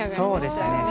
そうでしたね。